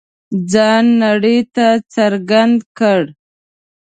ځان نړۍ ته څرګند کړ.